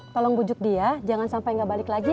tolong bujuk dia jangan sampai gak balik lagi ya mas